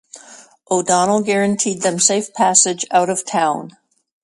O'Donnell guaranteed them safe passage out of town.